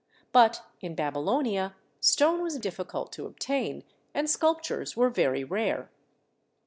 But in Babylonia stone was difficult to obtain, and sculptures were very rare.